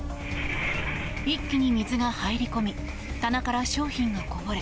一気に水が入り込み棚から商品がこぼれ